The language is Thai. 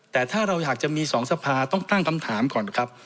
แต่ถ้าเราอยากจะมี๒สภาต้องตั้งคำถามก่อนครับ